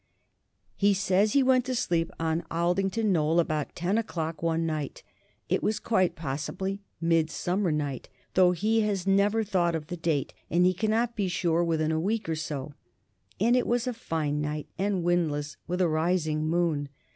He says he went to sleep on Aldington Knoll about ten o'clock one night it was quite possibly Midsummer night, though he has never thought of the date, and he cannot be sure within a week or so and it was a fine night and windless, with a rising moon.